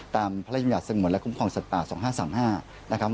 ตามพระราชญาติสังหวัลและคุ้มครองสัตว์ป่า๒๕๓๕